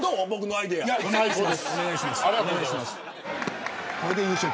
お願いします。